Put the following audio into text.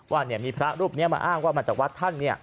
ว่ามีพระรูปนี้มาอ้างว่ามาจากวัดท่าน